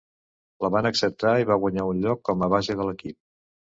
La van acceptar i va guanyar un lloc com a base de l'equip.